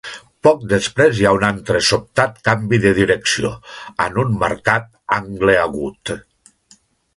Poc després hi ha un altre sobtat canvi de direcció, en un marcat angle agut.